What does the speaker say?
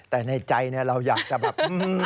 แต่ในใจเราอยากจะแบบ